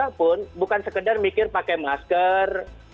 siapapun bukan sekedar mikir pakai masker